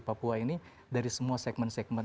papua ini dari semua segmen segmen